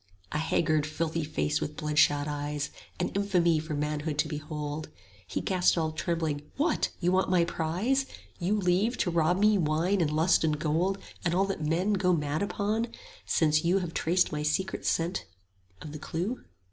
A haggard filthy face with bloodshot eyes, 25 An infamy for manhood to behold. He gasped all trembling, What, you want my prize? You leave, to rob me, wine and lust and gold And all that men go mad upon, since you Have traced my sacred secret of the clue?